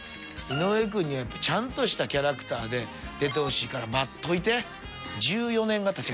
「井上くんにはちゃんとしたキャラクターで出てほしいから待っといて」。